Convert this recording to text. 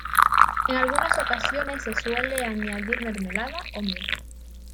En algunas ocasiones se suele añadir mermelada o miel.